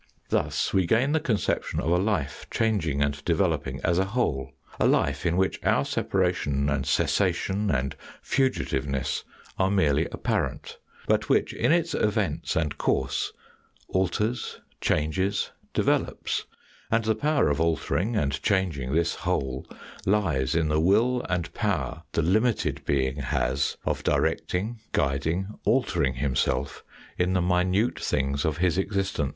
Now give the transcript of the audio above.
Thus we gain the conception of a life changing and developing as a whole, a life in which our separation and cessation and fugitiveness are merely apparent, but which in its events and course alters, changes, develops ; and the power of altering and changing this whole lies in the will and power the limited being has of directing, guiding, altering himself in the minute things of his existence.